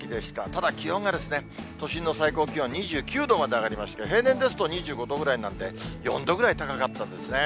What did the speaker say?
ただ、気温が、都心の最高気温２９度まで上がりまして、平年ですと２５度ぐらいなんで、４度ぐらい高かったんですね。